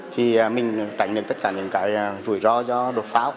thì mình tránh được tất cả những rủi ro do đột pháo